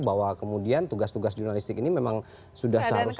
bahwa kemudian tugas tugas jurnalistik ini memang sudah seharusnya